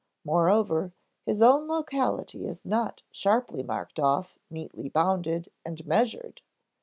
Moreover, his own locality is not sharply marked off, neatly bounded, and measured.